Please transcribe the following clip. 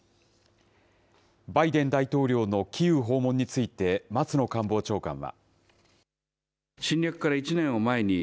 バイデン大統領のキーウ訪問について、松野官房長官は。